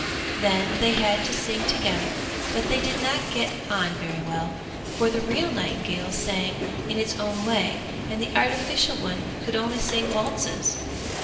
Then they had to sing together, but they did not get on very well, for the real nightingale sang in its own way, and the artificial one could only sing waltzes.